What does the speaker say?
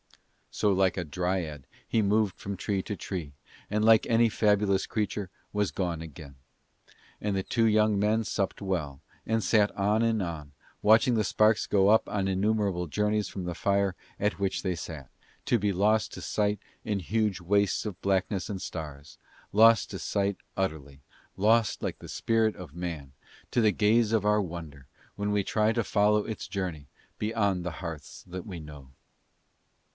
So, like a dryad he moved from tree to tree, and like any fabulous creature was gone again. And the two young men supped well, and sat on and on, watching the sparks go up on innumerable journeys from the fire at which they sat, to be lost to sight in huge wastes of blackness and stars, lost to sight utterly, lost like the spirit of man to the gaze of our wonder when we try to follow its journey beyond the hearths that we know.